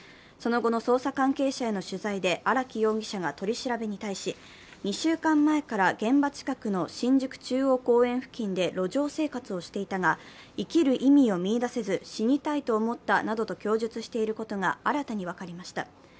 その後の捜査関係者への取材で荒木容疑者が取り調べに対し、２週間前から現場近くの新宿中央公園付近で路上生活をしていたが、生きる意味を見いだせず死にたいと思ったなどと供述していることが新たに分かりました。